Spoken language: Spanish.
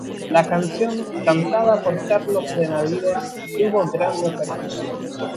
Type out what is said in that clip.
La canción, cantada por Carlos Benavides, tuvo gran repercusión.